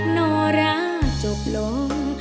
โนราจบลง